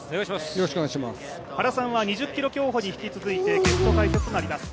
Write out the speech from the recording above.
原さんは２０ｋｍ競歩に引き続いてゲスト解説であります。